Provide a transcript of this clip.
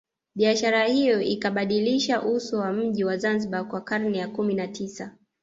Biashara hiyo ikabadilisha uso wa mji wa Zanzibar wa karne ya kumi na tisa